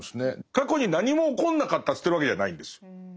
過去に何も起こんなかったって言ってるわけじゃないんです。